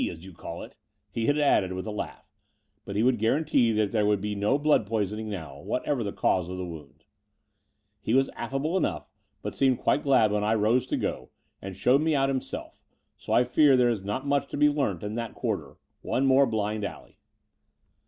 as you ciall it,' he had added, with a laugh, but he would guarantee that there would be no blood poisoning now, whatever the cause of the wounds. He was aSable enough, but seemed quite glad when I rose to go, and showed me out himself : so I fear there is not much to be learnt in that quarter — one more blind alley.